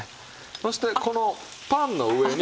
そしてこのパンの上に。